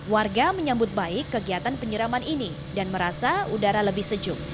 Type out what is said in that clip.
warga menyambut baik kegiatan penyiraman ini dan merasa udara lebih sejuk